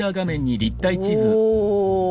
お。